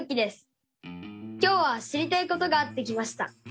今日は知りたいことがあって来ました。